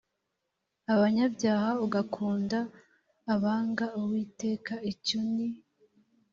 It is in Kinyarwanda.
abanyabyaha ugakunda abanga uwiteka icyo ni